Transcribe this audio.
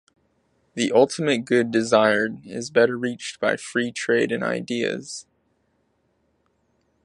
The ultimate good desired is better reached by free trade in ideas.